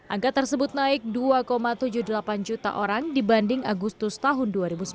angka tersebut naik dua tujuh puluh delapan juta orang dibanding agustus tahun dua ribu sembilan belas